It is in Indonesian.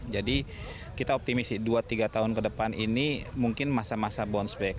jadi kita optimis dua tiga tahun ke depan ini mungkin masa masa bounce back